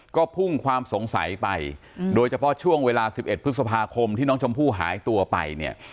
ก็พุ่งความสงสัยไปโดยเฉพาะช่วงเวลา๑๑พฤษภาคมที่น้องชมพู่หายตัวไปเนี่ย